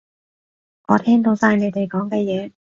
我聽到晒你哋講嘅嘢